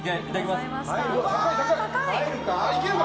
入るか？